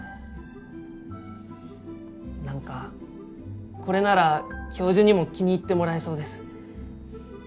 なんかこれなら教授にも気に入ってもらえそうです。